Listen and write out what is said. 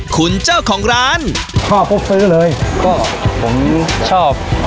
ขุนเจ้าของร้านชอบให้คุกซื้อเลยก็ผมชอบ